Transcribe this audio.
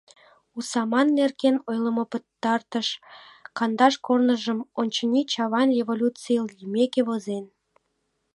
У саман нерген ойлымо пытартыш кандаш корныжым, очыни, Чавайн революций лиймеке возен.